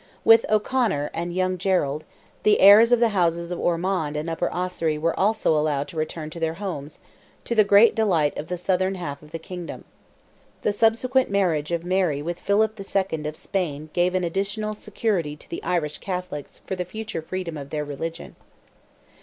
With O'Conor and young Gerald, the heirs of the houses of Ormond and of Upper Ossory were also allowed to return to their homes, to the great delight of the southern half of the kingdom. The subsequent marriage of Mary with Philip II. of Spain gave an additional security to the Irish Catholics for the future freedom of their religion.